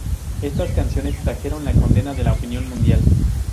Estas acciones trajeron la condena de la opinión mundial.